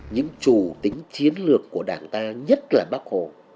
những trù tính chiến lược của đảng ta nhất là bác hồ